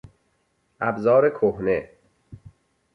ابزار کهنه